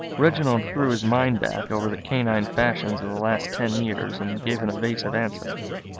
Reginald threw his mind back over the canine fashions of the last ten years and gave an evasive answer.